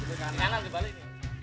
di kanan di balik